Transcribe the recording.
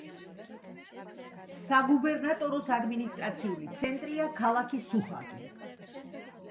საგუბერნატოროს ადმინისტრაციული ცენტრია ქალაქი სუჰაგი.